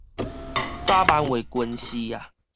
早慢會近視